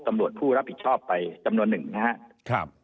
ตำรวจผู้รับผิดชอบไปจำนวนหนึ่งนะครับ